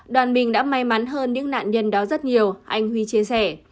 đoàn mình đã may mắn hơn những nạn nhân đó rất nhiều anh huy chia sẻ